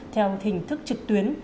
theo hình thức trực tuyến